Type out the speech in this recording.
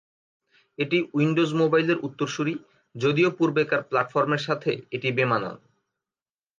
এটি উইন্ডোজ মোবাইলের উত্তরসূরি, যদিও পূর্বেকার প্ল্যাটফর্মের সাথে এটি বেমানান।